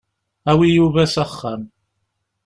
Awi Yuba s axxam.